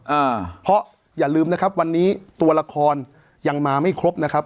อ่าเพราะอย่าลืมนะครับวันนี้ตัวละครยังมาไม่ครบนะครับ